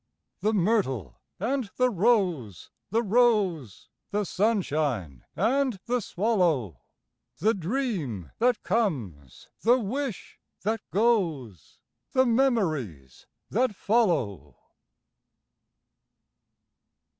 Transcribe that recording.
The myrtle and the rose, the rose, The sunshine and the swallow, The dream that comes, the wish that goes, The memories that follow!